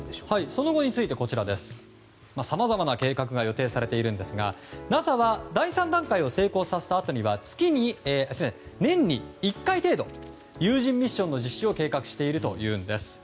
その後についてはさまざまな計画が予定されているんですがＮＡＳＡは第３段階を成功させたあとには年に１回程度有人ミッションの実施を計画しているというんです。